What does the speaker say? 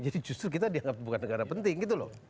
jadi justru kita dianggap bukan negara penting gitu loh